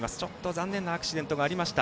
残念なアクシデントがありました。